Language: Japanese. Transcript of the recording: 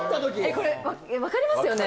これ分かりますよね？